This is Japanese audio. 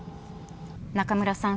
中村さん